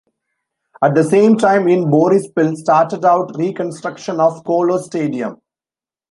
At the same time in Boryspil started out reconstruction of Kolos Stadium.